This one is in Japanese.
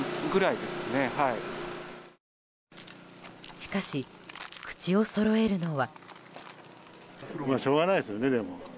しかし、口をそろえるのは。